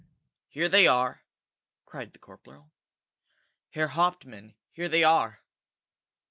"Here they are!" cried the corporal. "Herr Hauptmann, here they are!"